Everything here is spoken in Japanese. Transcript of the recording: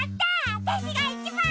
わたしがいちばん！